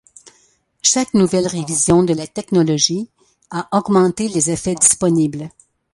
Chaque nouvelle révision de la technologie a augmenté les effets disponibles.